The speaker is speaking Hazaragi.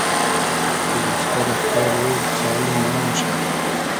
رئفتۂ رئفتۂ رۉز سال و ما موشۂ